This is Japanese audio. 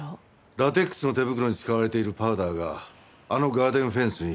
ラテックスの手袋に使われているパウダーがあのガーデンフェンスに付着していた。